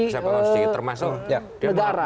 bisa berlangsung sedikit termasuk